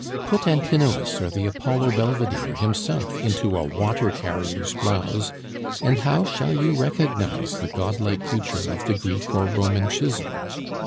Put Antinous or the Apollo Belvedere himself into a water carrier's blouse, and how shall you recognize the godlike creature of the Greek or Roman chisel?